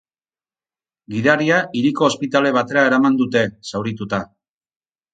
Gidaria hiriko ospitale batera eraman dute, zaurituta.